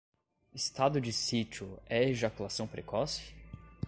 Estado de sítio é ejaculação precoce?